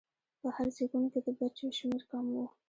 په هر زېږون کې د بچو شمېر کم و.